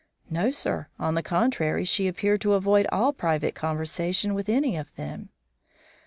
"No, sir; on the contrary, she appeared to avoid all private conversation with any of them."